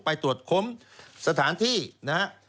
ไปตรวจค้นสถานที่นะฮะ